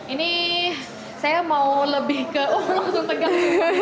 ini saya mau lebih ke oh langsung tegak